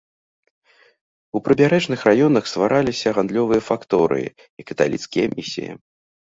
У прыбярэжных раёнах ствараліся гандлёвыя факторыі і каталіцкія місіі.